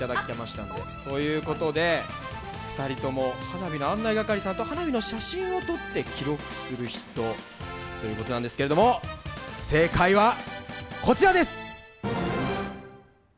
ということで２人とも花火の案内係さんと花火の写真を撮って記録する人ということなんですけれども正解はこちらです。